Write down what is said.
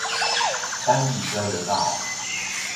三義交流道